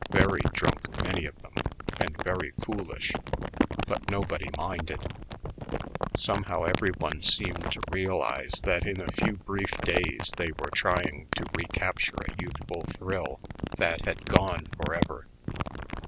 Very drunk, many of them, and very foolish, but nobody minded. Somehow every one seemed to realize that in a few brief days they were trying to recapture a youthful thrill that had gone forever.